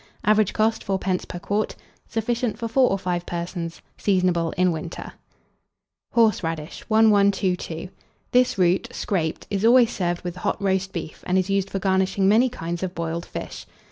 Average cost, 4d. per quart. Sufficient for 4 or 5 persons. Seasonable in winter. HORSERADISH. 1122. This root, scraped, is always served with hot roast beef, and is used for garnishing many kinds of boiled fish.